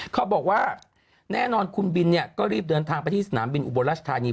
เขาบอกว่าแน่นอนคุณบินเนี่ยก็รีบเดินทางไปที่สนามบินอุบลราชธานี